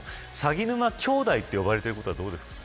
鷺沼兄弟と呼ばれていることはどうですか。